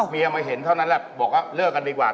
มาเห็นเท่านั้นแหละบอกว่าเลิกกันดีกว่า